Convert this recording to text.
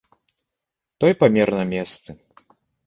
Той памер на месцы.